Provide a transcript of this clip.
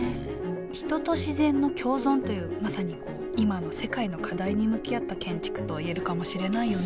人と自然の共存というまさに今の世界の課題に向き合った建築といえるかもしれないよね